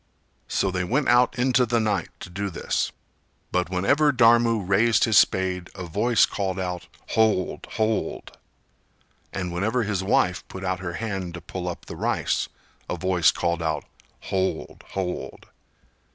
So they went out into the night to do this. But whenever Dharmu raised his spade a voice called out "Hold, hold!" And whenever his wife put out her hand to pull up the rice a voice called out "Hold, hold!"